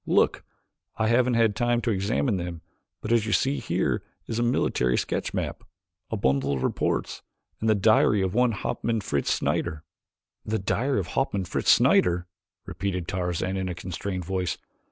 Look! I haven't yet had time to examine them but as you see here is a military sketch map, a bundle of reports, and the diary of one Hauptmann Fritz Schneider." "The diary of Hauptmann Fritz Schneider!" repeated Tarzan in a constrained voice.